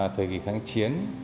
thời kỳ kháng chiến